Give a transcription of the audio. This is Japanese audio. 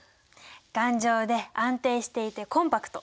頑丈で安定していてコンパクト。